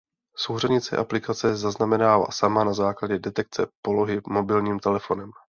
Souřadnice aplikace zaznamenává sama na základě detekce polohy mobilním telefonem.